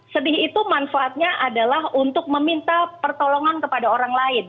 sedih itu manfaatnya adalah untuk meminta pertolongan kepada orang lain